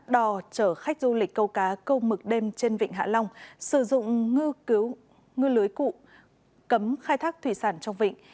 đó đò chở khách du lịch câu cá câu mực đêm trên vịnh hạ long sử dụng ngư lưới cụ cấm khai thác thủy sản trong vịnh